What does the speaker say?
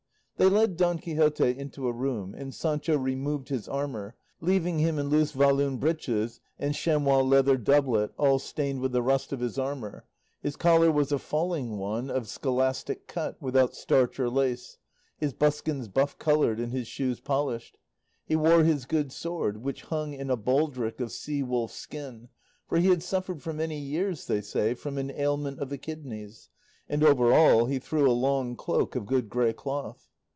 They led Don Quixote into a room, and Sancho removed his armour, leaving him in loose Walloon breeches and chamois leather doublet, all stained with the rust of his armour; his collar was a falling one of scholastic cut, without starch or lace, his buskins buff coloured, and his shoes polished. He wore his good sword, which hung in a baldric of sea wolf's skin, for he had suffered for many years, they say, from an ailment of the kidneys; and over all he threw a long cloak of good grey cloth.